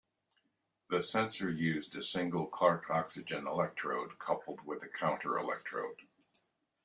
This sensor used a single Clark oxygen electrode coupled with a counter-electrode.